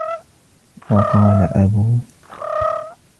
وَقَالَ أَبُو